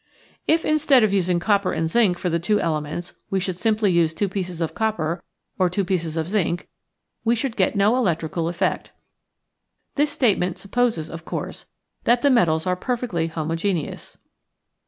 If instead of using copper and zinc for the two elements we should simply use two pieces of copper or two pieces of zinc, we should get no electrical effect. This statement supposes of course that the metals are perfectly homo geneous.